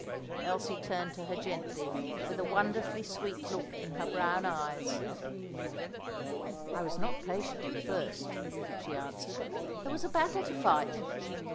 Elsie turned to her gently, with a wonderfully sweet look in her brown eyes. "I was not patient at first," she answered. "There was a battle to fight.